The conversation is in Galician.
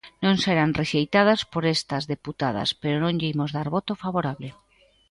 Non serán rexeitadas por estas deputadas, pero non lle imos dar voto favorable.